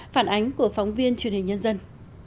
phản ánh của phóng viên truyền hình nhân dân